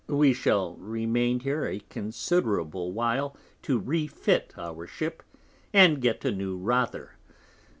We shall remain here a considerable while to refit our Ship, and get a new Rother.